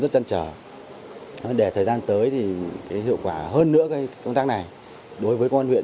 cũng rất trân trở để thời gian tới thì cái hiệu quả hơn nữa cái công tác này đối với công an huyện